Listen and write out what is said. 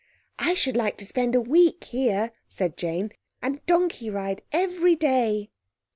"I should like to spend a week here," said Jane, "and donkey ride every day."